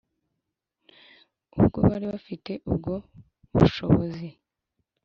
bari bafite ubwo bushobozi.